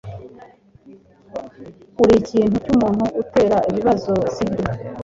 Urikintu cyumuntu utera ibibazo, sibyo?